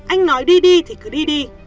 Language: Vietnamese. anh nói đi đi thì cứ đi đi